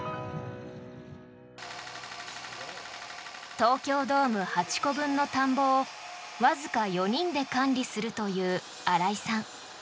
東京ドーム８個分の田んぼをわずか４人で管理するという新井さん。